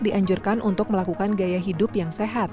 dianjurkan untuk melakukan gaya hidup yang sehat